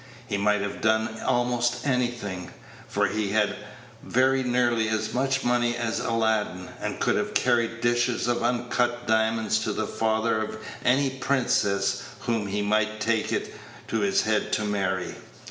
He might have done almost anything; for he had very nearly as much money as Aladdin, and could have carried dishes of uncut diamonds to the father of any princess whom he might take it into his head to marry.